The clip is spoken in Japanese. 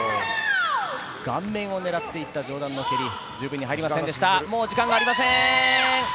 顔面を打っていった上段の蹴り、十分に入りませんでした、時間がありません。